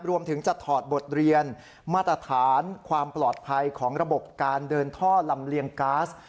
รวมถึงจะถอดบทเรียนมาตรฐานความปลอดภัยของระบบการเดินท่อลำเลียงก๊าซ